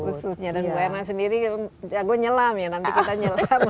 khususnya dan bu erna sendiri jago nyelam ya nanti kita nyelam